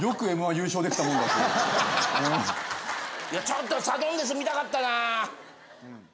ちょっとサドンデス見たかったなぁ！